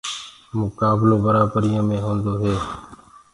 مُڪآبلو برآبريو مي هونٚدو هي